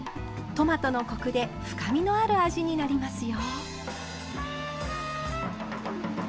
トマトのコクで深みのある味になりますよ。